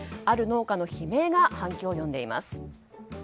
ある農家の悲鳴が反響を呼んでいます。